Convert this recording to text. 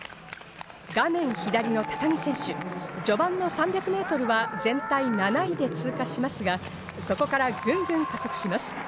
画面左の高木選手、序盤の３００ｍは全体７位で通過しますが、そこからぐんぐん加速します。